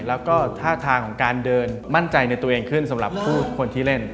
แล้วก็ท่าทางของการเดินมั่นใจในตัวเองขึ้นสำหรับผู้คนที่เล่น